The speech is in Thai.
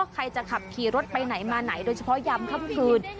ใครจะขับขี่รถไปไหนมาไหนโดยเฉพาะยามค่ำคืน